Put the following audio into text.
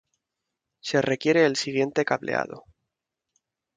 Se requiere el siguiente cableado.